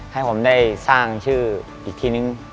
ให้ผมได้สร้างชื่ออีกทีนึง